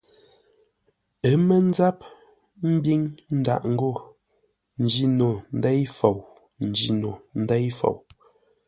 Ə́ mə́ ńzáp ḿbíŋ ndâʼ ngô njî no ndêi fou, n njîno ndêi fou.